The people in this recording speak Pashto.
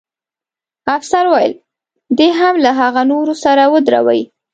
افسر وویل: دی هم له هغه نورو سره ودروئ.